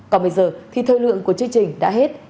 còn bây giờ thì thời lượng của chương trình đã hết